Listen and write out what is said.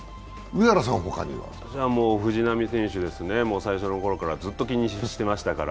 私は藤浪選手ですね、最初のころからずっと気にしてましたから。